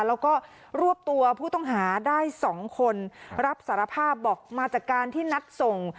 แล้วก็รวบตัวผู้ต้องหาได้๒คนรับสารภาพบอกมาจากการที่นัดส่ง